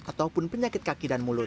ataupun penyakit kaki dan mulut